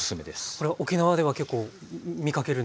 これは沖縄では結構見かけるんですか？